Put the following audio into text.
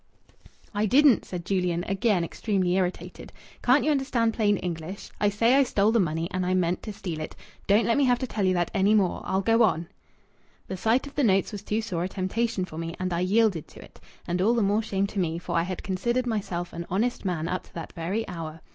"I didn't," said Julian, again extremely irritated. "Can't ye understand plain English? I say I stole the money, and I meant to steal it. Don't let me have to tell ye that any more. I'll go on: 'The sight of the notes was too sore a temptation for me, and I yielded to it. And all the more shame to me, for I had considered myself an honest man up to that very hour.